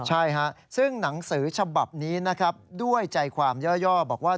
ใช่ฮะซึ่งหนังสือฉบับนี้นะครับด้วยใจความย่อบอกว่า